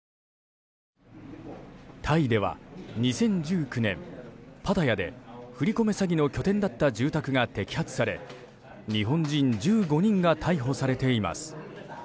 タイでは２０１９年、パタヤで振り込め詐欺の拠点だった住宅が摘発され日本人１５人が逮捕されています。